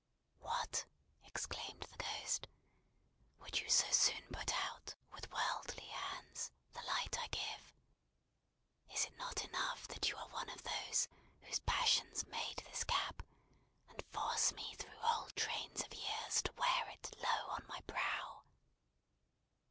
"What!" exclaimed the Ghost, "would you so soon put out, with worldly hands, the light I give? Is it not enough that you are one of those whose passions made this cap, and force me through whole trains of years to wear it low upon my brow!"